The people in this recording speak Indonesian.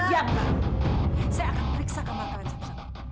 diam baron saya akan periksa kamar kalian satu satu